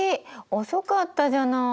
遅かったじゃない。